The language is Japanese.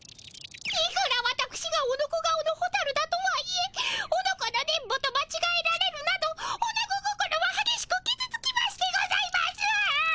いくらわたくしがオノコ顔のホタルだとはいえオノコの電ボとまちがえられるなどオナゴ心ははげしくきずつきましてございます。